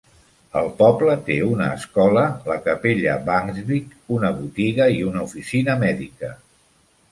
El poble té una escola, la Capella Vangsvik, una botiga i una oficina mèdica.